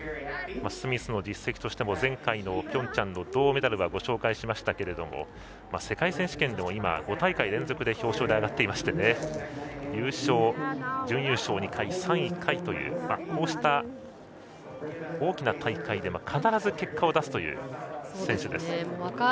スミスの実績としても前回のピョンチャンの銅メダルはご紹介しましたけれども世界選手権でも今、５大会連続で表彰台上がってまして優勝、準優勝２回３位１回というこうした大きな大会で必ず結果を出すという選手です。